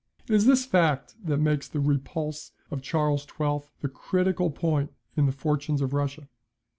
It is this fact that makes the repulse of Charles XII. the critical point in the fortunes of Russia.